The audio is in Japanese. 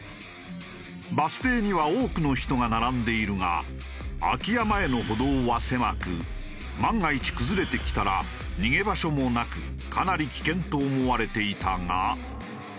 バス停には多くの人が並んでいるが空き家前の歩道は狭く万が一崩れてきたら逃げ場所もなくかなり危険と思われていたが。